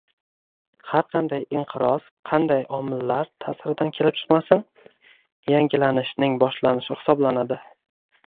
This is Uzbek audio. Har qanday inqiroz, qanday omillar ta'siridan kelib chiqmasin, yangilanishning boshlanishi hisoblanadi